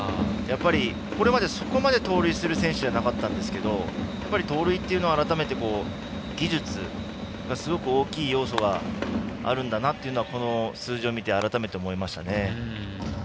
これまで、そこまで盗塁をする選手ではなかったんですけれども盗塁というのは改めて技術すごく大きい要素があるんだなというのはこの数字を見て思いましたね。